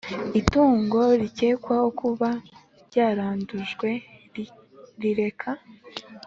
Itungo rikekwaho kuba ryarandujwe rireka